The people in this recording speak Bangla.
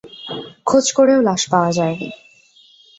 খোঁজ করেও লাশ পাওয়া যায়নি।